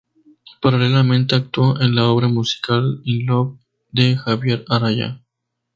Paralelamente actuó en la obra musical "In Love" de Javier Araya.